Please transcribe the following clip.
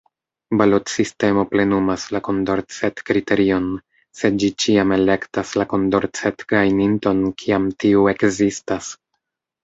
Balotsistemo plenumas la Kondorcet-kriterion, se ĝi ĉiam elektas la Kondorcet-gajninton, kiam tiu ekzistas.